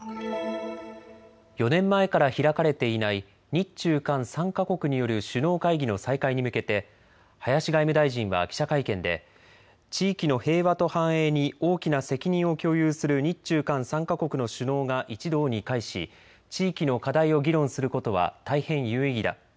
４年前から開かれていない日中韓３か国による首脳会議の再開に向けて林外務大臣は記者会見で地域の平和と繁栄に大きな責任を共有する日中韓３か国の首脳が一堂に会し地域の課題を議論することは大変有意義だ。